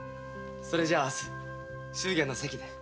それじゃ明日祝言の席で。